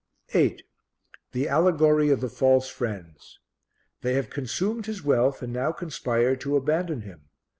8. The Allegory of the False Friends. They have consumed his wealth and now conspire to abandon him.